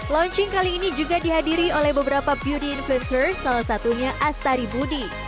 launching kali ini juga dihadiri oleh beberapa beauty influencer salah satunya astari budi